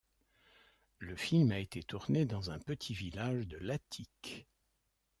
Le film a été tourné dans un petit village de l'Attique.